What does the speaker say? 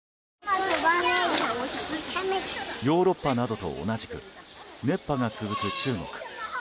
ヨーロッパなどと同じく熱波が続く中国。